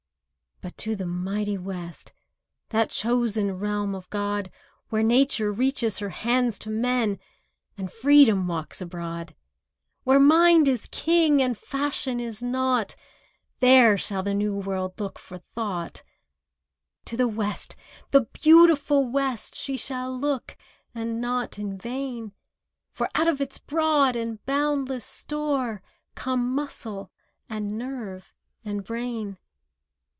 But to the mighty West, That chosen realm of God, Where Nature reaches her hands to men, And Freedom walks abroad— Where mind is King, and fashion is naught, There shall the New World look for thought To the West, the beautiful West, She shall look, and not in vain— For out of its broad and boundless store Come muscle, and nerve, and brain.